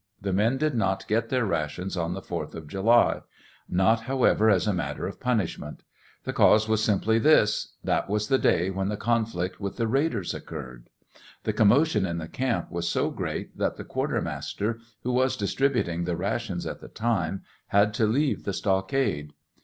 The men did not get their rations on the fourth of July; not, however, as a mat ter of punishme'nt. The cause was simply this : that was the day when the conflict with the raiders occurred. The commotion in the camp was so great that the quartermaster, who was distributing the rations at the time, had to leave the stockade.